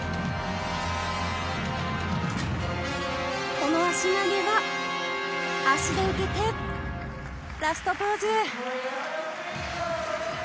この足投げは足で受けてラストポーズ。